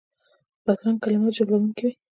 بدرنګه کلمات ژوبلونکي وي